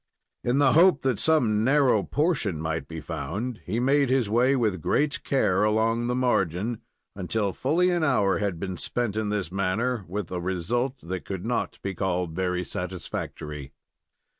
In the hope that some narrow portion might be found, he made his way with great care along the margin, until fully an hour had been spent in this manner, with a result that could not be called very satisfactory.